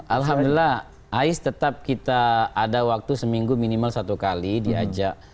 alhamdulillah ais tetap kita ada waktu seminggu minimal satu kali diajak